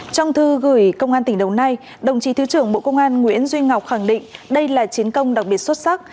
trong thư gửi công an tỉnh đồng nai đồng chí thứ trưởng bộ công an nguyễn duy ngọc khẳng định đây là chiến công đặc biệt xuất sắc